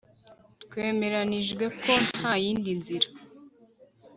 Twemeranijwe ko ntayindi nzira